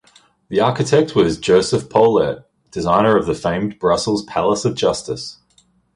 The architect was Joseph Poelaert, designer of the famed Brussels Palace of Justice.